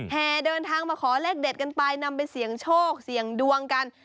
แห่เดินทางมาขอเลขเด็ดกันไปนำไปเสี่ยงโชคเสี่ยงดวงกัน